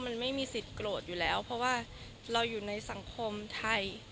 มันไม่มีสิทธิโกรธอยู่แล้วเพราะว่าเราอยู่ในสังคมไทย